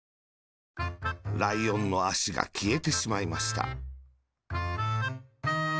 ライオンのあしがきえてしまいました。